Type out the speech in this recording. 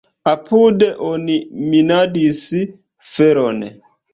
Apude oni minadis feron.